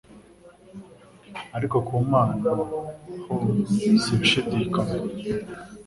ariko ku Mana ho si ibishidikanywa